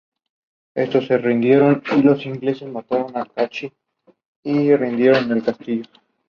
Además muestra una planta de crucero con alberca, o "chart-bagh".